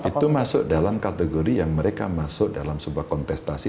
itu masuk dalam kategori yang mereka masuk dalam sebuah kontestasi